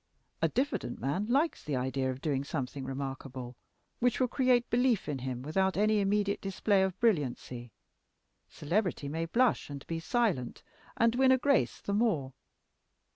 A diffident man likes the idea of doing something remarkable, which will create belief in him without any immediate display of brilliancy. Celebrity may blush and be silent, and win a grace the more.